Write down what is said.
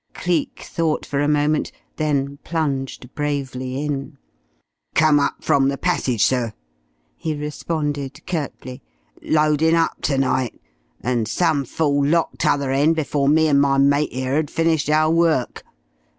Cleek thought for a moment, then plunged bravely in. "Come up from the passage, sir," he responded curtly. "Loadin' up ternight, and some fool locked t'other end before me and my mate 'ere 'ad finished our work.